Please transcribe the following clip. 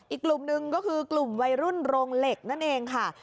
อีกกลุ่มหนึ่งก็คือกลุ่มวัยรุ่นโรงเหล็กนั่นเองค่ะ